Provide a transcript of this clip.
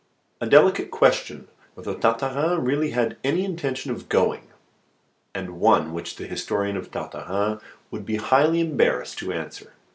A DELICATE question: whether Tartarin really had any intention of going, and one which the historian of Tartarin would be highly embarrassed to answer.